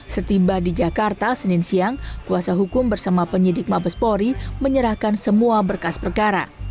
setiba di jakarta senin siang kuasa hukum bersama penyidik mabespori menyerahkan semua berkas perkara